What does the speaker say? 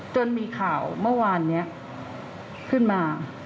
จนมีข่าวเมื่อวานนี้ขึ้นมา